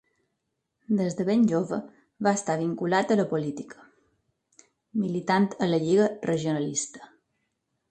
Des de ben jove va estar vinculat a la política, militant a la Lliga Regionalista.